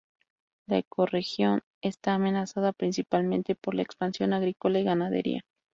La ecorregión está amenazada principalmente por la expansión agrícola y la ganadería.